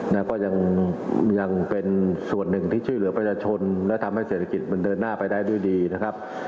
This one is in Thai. แล้วก็ยังเป็นส่วนหนึ่งที่ช่วยเหลือประชาชนและทำให้เศรษฐกิจมันเดินหน้าไปได้ด้วยดีนะครับ